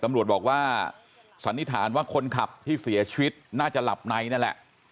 ตำรวจบอกว่าสันนิษฐานว่าคนขับที่เสียชีวิตน่าจะหลับในนั่นแหละ